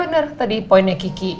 pokoknya bener tadi poinnya kiki